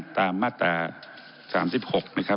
ตามมาตรา๓๖